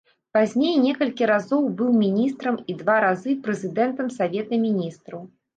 Пазней некалькі разоў быў міністрам і два разы прэзідэнтам савета міністраў.